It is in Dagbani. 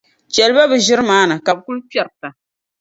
Chεliba bɛ ʒiri maa ni, ka bɛ kuli kpiɛrita.